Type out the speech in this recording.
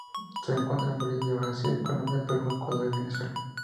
Se encuentra en Bolivia, Brasil, Colombia, Perú, Ecuador y Venezuela.